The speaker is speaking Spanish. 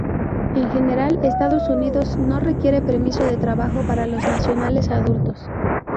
En general, Estados Unidos no requiere permiso de trabajo para los nacionales adultos.